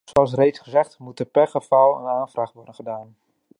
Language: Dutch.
Zoals reeds gezegd, moet er per geval een aanvraag worden gedaan.